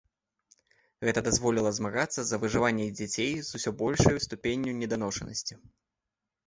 Гэта дазволіла змагацца за выжыванне дзяцей з усё большай ступенню неданошанасці.